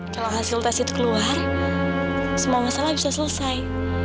kalau hasil tes itu keluar semua masalah bisa selesai